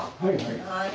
はいはい。